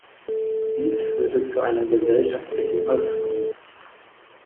Dies führte zu einer gesellschaftlichen Öffnung.